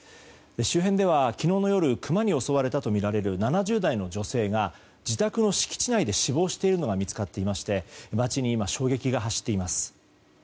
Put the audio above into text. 周辺では昨日の夜クマに襲われたとみられる７０代の女性が自宅の敷地内で死亡しているのが見つかっていまして街に今、衝撃が走っています。